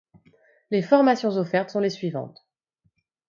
Les formations offertes sont les suivantes.